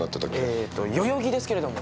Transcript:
えーっと代々木ですけれども。